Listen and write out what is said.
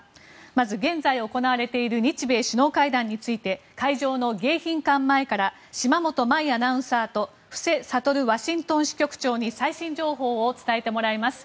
まず現在行われている日米首脳会談について会場の迎賓館前から島本真衣アナウンサーと布施哲ワシントン支局長に最新情報を伝えてもらいます。